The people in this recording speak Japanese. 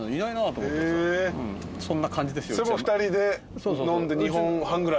２人で飲んで２本半ぐらい？